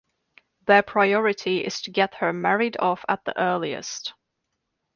Their priority is to get her married off at the earliest.